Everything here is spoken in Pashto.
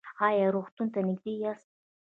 ایا روغتون ته نږدې یاست؟